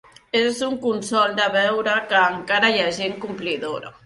És un consol de veure que encara hi ha gent complidora.